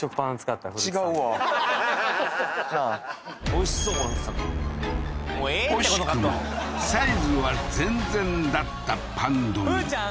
惜しくもサイズは全然だったパン・ド・ミ風ちゃん